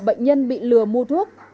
bệnh nhân bị lừa mua thuốc